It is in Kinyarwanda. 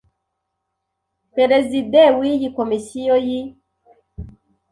Perezide w’iyi Komisiyo y,i